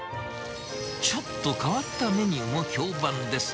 ちょっと変わったメニューも評判です。